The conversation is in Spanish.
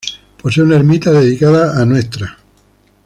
Posee una ermita dedicada a Ntra.